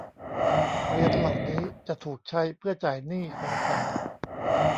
เหรียญเหล่านี้จะถูกใช้เพื่อจ่ายหนี้ของเขา